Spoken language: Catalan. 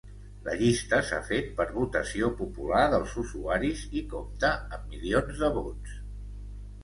La llista s'ha fet per votació popular dels usuaris i compta amb milions de vots.